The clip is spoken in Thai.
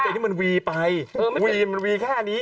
อันนี้มันวีไปวีมันวีแค่นี้